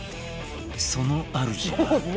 その主は。